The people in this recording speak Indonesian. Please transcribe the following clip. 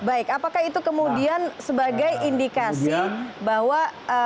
baik apakah itu kemudian sebagai indikasi bahwa